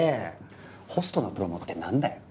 ホストのプロモって何だよ。